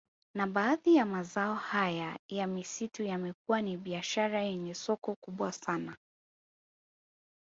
Na baadhi ya mazao haya ya misitu yamekuwa ni biashara yenye soko kubwa sana